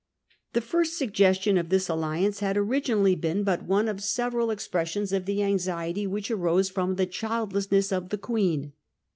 The first suggestion of this alliance had originally been but one of several expressions of the anxiety which Suggested arose from the childlessness of the Queen.